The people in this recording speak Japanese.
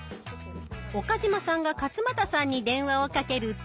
岡嶋さんが勝俣さんに電話をかけると。